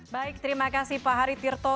baik terima kasih pak hari tirto